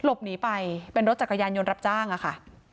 หลบหนีไปเป็นรถจักรยานยนต์รับจ้างอะค่ะ